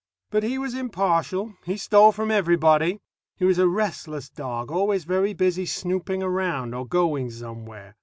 But he was impartial. He stole from everybody. He was a restless dog, always very busy snooping around or going somewhere.